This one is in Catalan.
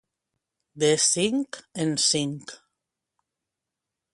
De cinc en cinc.